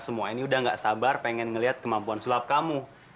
ibu hati hati udah gak sabar pengen ngeliat kemampuan sulap kamu